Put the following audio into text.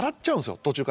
途中から。